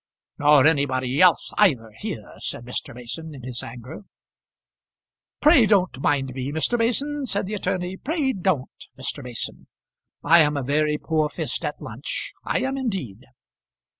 "Nor anybody else either, here," said Mr. Mason in his anger. "Pray don't mind me, Mr. Mason," said the attorney, "pray don't, Mr. Mason. I am a very poor fist at lunch; I am indeed."